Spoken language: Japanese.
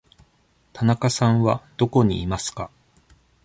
田中さんはどこにいますか。